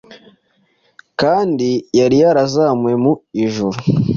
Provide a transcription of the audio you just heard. kandi yari yarazamuwe mu ijuru